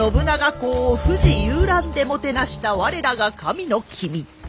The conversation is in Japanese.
公を富士遊覧でもてなした我らが神の君。